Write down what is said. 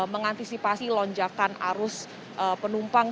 mengantisipasi lonjakan arus penumpang